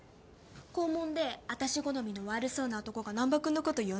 校門であたし好みの悪そうな男が難破君のこと呼んでたよ。